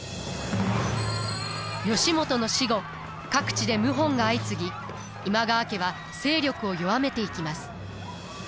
義元の死後各地で謀反が相次ぎ今川家は勢力を弱めていきます。